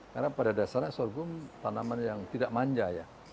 karena pada dasarnya sorghum tanaman yang tidak manja ya